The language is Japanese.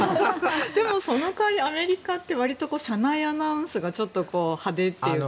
でもその代わりアメリカってわりと車内アナウンスが派手というか。